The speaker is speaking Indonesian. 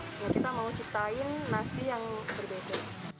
sehingga kita mau ciptain nasi yang berbeda